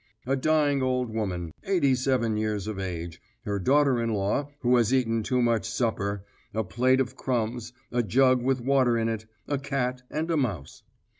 A dying old woman, eighty seven years of age, her daughter in law who has eaten too much supper, a plate of crumbs, a jug with water in it, a cat, and a mouse.